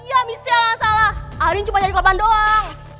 ya michelle gak salah arin cuma jadi kelopan doang